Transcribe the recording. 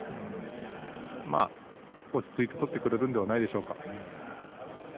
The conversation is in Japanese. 落ち着いて取ってくれるんではないでしょうか。